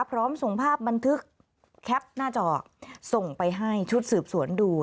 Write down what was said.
พร้อมส่งภาพบันทึกแคปหน้าจอส่งไปให้ชุดสืบสวนดู